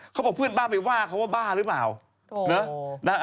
เขาบอกเพื่อนบ้านไปว่าเขาว่าบ้าหรือเปล่า